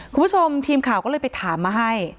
คุณผู้ชมทีมข่าวก็เลยไปถามมาให้